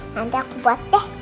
nanti aku buat deh